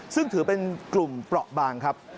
ซึ่งถือเป็นกลุ่มเปราะบางครับ